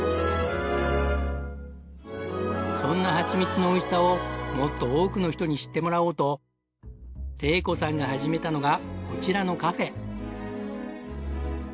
そんなはちみつのおいしさをもっと多くの人に知ってもらおうと玲子さんが始めたのがこちらのカフェ。